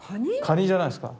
カニじゃないですか。